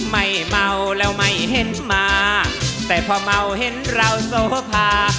เมาแล้วไม่เห็นมาแต่พอเมาเห็นเราโสภา